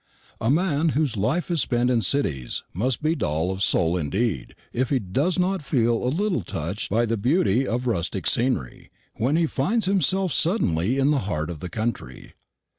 A man whose life is spent in cities must be dull of soul indeed if he does not feel a little touched by the beauty of rustic scenery, when he finds himself suddenly in the heart of the country.